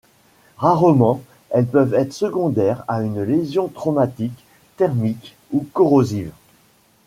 Rarement, elles peuvent être secondaires à une lésion traumatique, thermique ou corrosive.